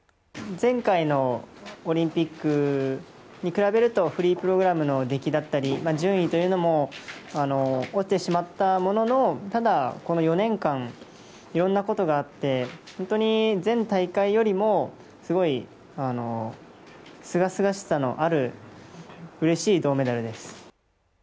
前回のオリンピックに比べるとフリープログラムの出来だったり、順位というのも、落ちてしまったもののただ、この４年間、いろんなことがあって本当に前体会よりもすごいすがすがしさのあるうれしい銅メダルです。